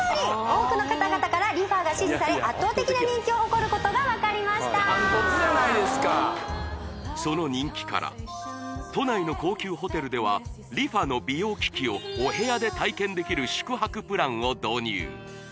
多くの方々からＲｅＦａが支持され圧倒的な人気を誇ることが分かりましたその人気から都内の高級ホテルではＲｅＦａの美容機器をお部屋で体験できる宿泊プランを導入